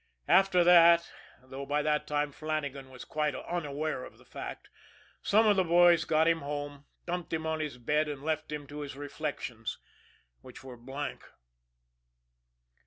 After that, though by that time Flannagan was quite unaware of the fact, some of the boys got him home, dumped him on his bed and left him to his reflections which were a blank.